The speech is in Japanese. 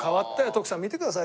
徳さん見てください